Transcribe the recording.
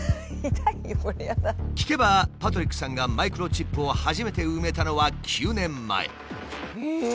聞けばパトリックさんがマイクロチップを初めて埋めたのは９年前。